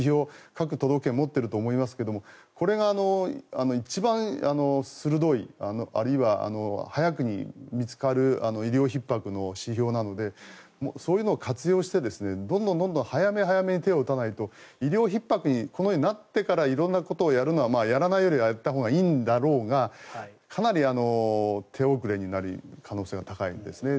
各都道府県持ってると思いますがこれが一番鋭いあるいは早くに見つかる医療ひっ迫の指標なのでそういうのを活用してどんどん早め早めに手を打たないと医療ひっ迫になってから色んなことをやるのはやらないよりはやったほうがいいんだろうがかなり手遅れになる可能性が高いんですね。